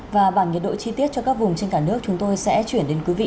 và bảng nhiệt độ chi tiết cho các vùng trên cả nước chúng tôi sẽ chuyển đến quý vị